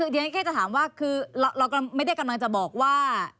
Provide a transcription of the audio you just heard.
เดี๋ยวฉันแค่จะถามว่าคือเราไม่ได้กำลังจะบอกว่า